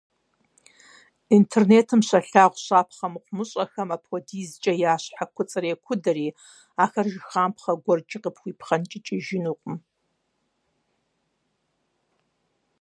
Интернетым щалъагъу щапхъэ мыхъумыщӏэхэм апхуэдизкӀэ я щхьэ куцӀыр екудэри, ахэр жыхапхъэ гуэркӀи къыпхуипхъэнкӀыкӀыжынукъым.